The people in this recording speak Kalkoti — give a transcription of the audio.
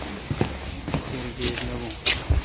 تی کیر گیب نہ بھو۔